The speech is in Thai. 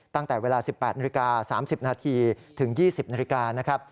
ตั้งแต่เวลา๑๘นาฬิกา๓๐นาทีถึง๒๐นาฬิกานะครับ